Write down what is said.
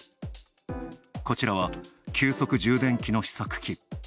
こちらは急速充電器の試作機。